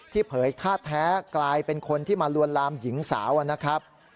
เผยท่าแท้กลายเป็นคนที่มาลวนลามหญิงสาวนะครับ